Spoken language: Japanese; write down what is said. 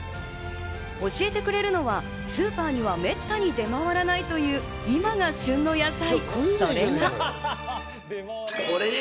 教えてくれるのは、スーパーにはめったに出回らないという今が旬の野菜。